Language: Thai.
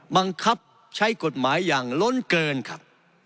บังคับใช้กฎหมายอย่างล้นเกินครับ